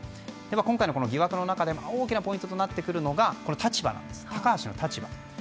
今回の疑惑の中で大きなポイントとなってくるのが高橋氏の立場なんです。